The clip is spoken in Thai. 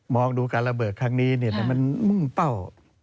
ดูการระเบิดครั้งนี้แต่มันมุ่งเป้า